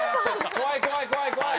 怖い怖い怖い怖い！